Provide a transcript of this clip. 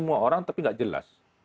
semua orang tapi nggak jelas